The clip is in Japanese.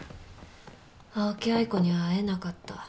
青木藍子には会えなかった。